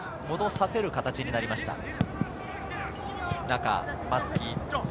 戻させる形になりました。